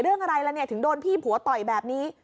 เรื่องอะไรล่ะเนี่ยถึงโดนพี่ผัวต่อยแบบนี้